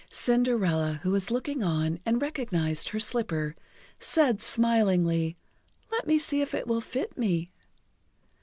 Cinderella, who was looking on and recognized her slipper, said smilingly: "Let me see if it will fit me."